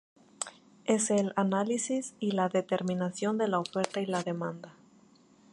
Es el análisis y la determinación de la oferta y la demanda.